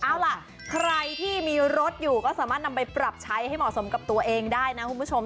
เอาล่ะใครที่มีรถอยู่ก็สามารถนำไปปรับใช้ให้เหมาะสมกับตัวเองได้นะคุณผู้ชม